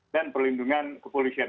dan perlindungan kepolisian